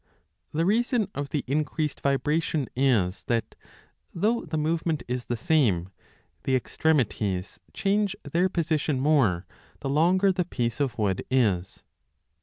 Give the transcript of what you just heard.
The reason of the increased vibration is that, though the movement is the FIG. 16. same, the extremities change their position more the longer the piece of wood is.